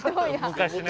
昔ね。